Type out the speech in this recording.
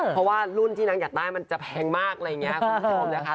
เพราะว่ารุ่นที่นางอยากได้มันจะแพงมากอะไรอย่างนี้คุณผู้ชมนะคะ